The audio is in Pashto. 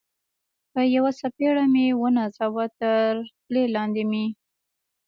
په یوه څپېړه مې و نازاوه، تر خولۍ لاندې مې.